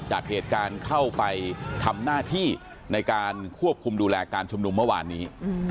จากเหตุการณ์เข้าไปทำหน้าที่ในการควบคุมดูแลการชุมนุมเมื่อวานนี้